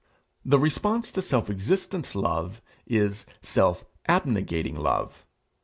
The response to self existent love is self abnegating love.